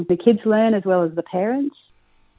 kadang kadang anak anak belajar sama dengan ibu